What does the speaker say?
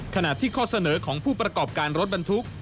ขณะที่ข้อเสนอของผู้ประกอบการรถบรรทุก